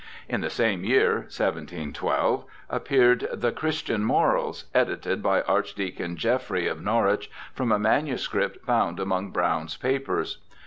In the same year, 17 12, appeared the Christian Morals^ edited by Archdeacon Jeffrey of Norwich, from a manu script found among Browne's papers.